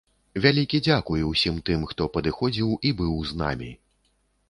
Вялікі дзякуй ўсім тым, хто падыходзіў і быў з намі!